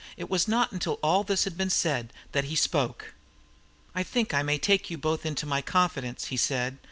It was not until all this had been said that he spoke. "I think I may take you both into my confidence," he said.